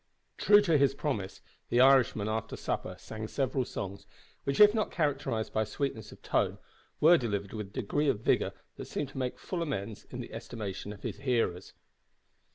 True to his promise, the Irishman after supper sang several songs, which, if not characterised by sweetness of tone, were delivered with a degree of vigour that seemed to make full amends in the estimation of his hearers.